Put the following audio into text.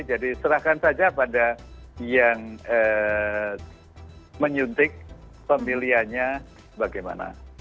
jadi serahkan saja pada yang menyuntik pemilihannya bagaimana